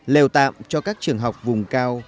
lèo tạm cho các trường học vùng cao